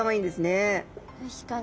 確かに。